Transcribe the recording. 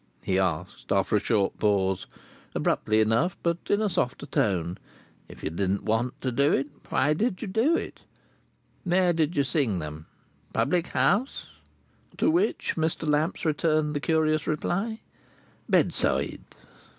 he asked, after a short pause; abruptly enough but in a softer tone. "If you didn't want to do it, why did you do it? Where did you sing them? Public house?" To which Mr. Lamps returned the curious reply: "Bedside."